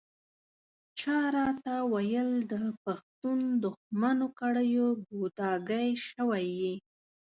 چا راته ویل د پښتون دښمنو کړیو ګوډاګی شوی یې.